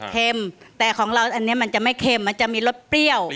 แต่ของเราอันนี้มันจะไม่เค็มมันจะมีรสเปรี้ยว